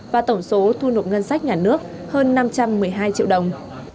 và tổng số thu nộp ngân sách nhà nước hơn năm trăm một mươi hai triệu đồng